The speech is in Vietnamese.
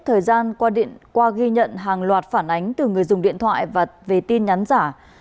thời gian qua ghi nhận hàng loạt phản ánh từ người dùng điện thoại và về tin nhắn giả